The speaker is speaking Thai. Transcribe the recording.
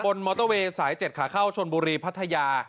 มอเตอร์เวย์สาย๗ขาเข้าชนบุรีพัทยา